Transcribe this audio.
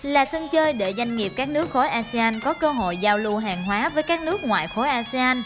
là sân chơi để doanh nghiệp các nước khối asean có cơ hội giao lưu hàng hóa với các nước ngoại khối asean